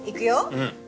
うん！